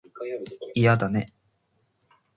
いやだね